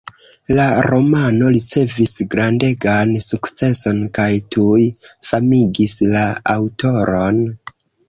La romano ricevis grandegan sukceson, kaj tuj famigis la aŭtoron.